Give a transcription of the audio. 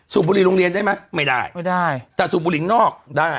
บุรีโรงเรียนได้ไหมไม่ได้ไม่ได้แต่สูบบุหรี่นอกได้